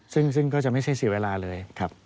ซึ่งก็จะไม่ใช่เสียเวลาเลยครับ